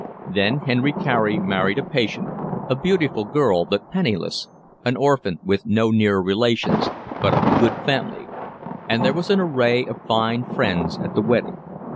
Then Henry Carey married a patient, a beautiful girl but penniless, an orphan with no near relations, but of good family; and there was an array of fine friends at the wedding.